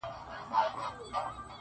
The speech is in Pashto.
• دوی پښتون غزل منلی په جهان دی..